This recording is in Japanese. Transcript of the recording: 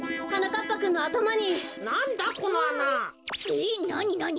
えっなになに？